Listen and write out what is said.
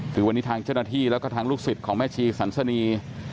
คือวันนี้ทางเจ้าหน้าที่แล้วก็ทางลูกศิษย์ของแม่ชีสันสนี